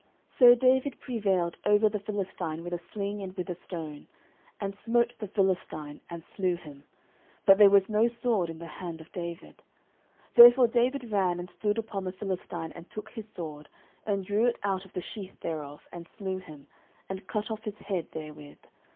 09:017:050 So David prevailed over the Philistine with a sling and with a stone, and smote the Philistine, and slew him; but there was no sword in the hand of David. 09:017:051 Therefore David ran, and stood upon the Philistine, and took his sword, and drew it out of the sheath thereof, and slew him, and cut off his head therewith.